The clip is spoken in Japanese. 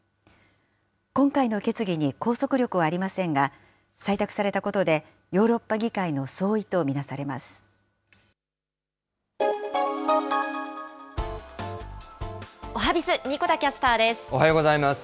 今回の決議に拘束力はありませんが、採択されたことで、ヨーロッパ議会の総意と見なされます。